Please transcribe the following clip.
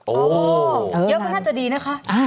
โอ้โหเยอะก็น่าจะดีนะคะ